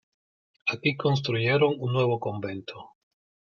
Aquí construyeron un nuevo convento.